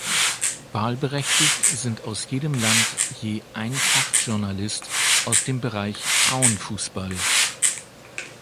Wahlberechtigt sind aus jedem Land je ein Fachjournalist aus dem Bereich Frauenfußball.